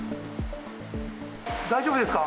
大丈夫ですか？